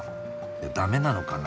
ダメなのかな？